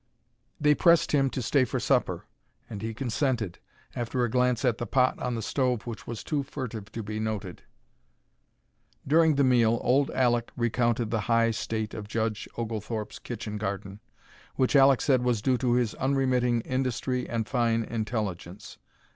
They pressed him to stay for supper, and he consented, after a glance at the pot on the stove which was too furtive to be noted. During the meal old Alek recounted the high state of Judge Oglethorpe's kitchen garden, which Alek said was due to his unremitting industry and fine intelligence.